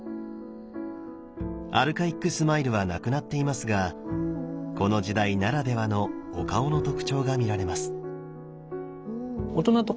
アルカイックスマイルはなくなっていますがこの時代ならではのお顔の特徴が見られます。